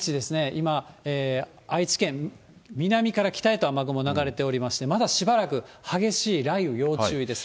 今、愛知県、南から北へと雨雲流れておりまして、まだしばらく激しい雷雨要注意です。